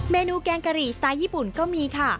เมนูแกงกะหรี่สไตล์ญี่ปุ่นก็มีค่ะ